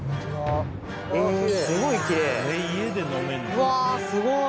うわすごい！